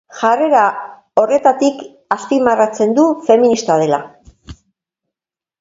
Jarrera horretatik azpimarratzen du feminista dela.